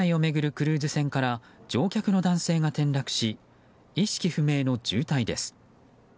クルーズ船から乗客の男性が転落し意識不明の重体です。